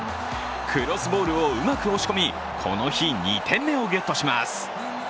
クロスボールをうまく押し込み、この日、２点目をゲットします。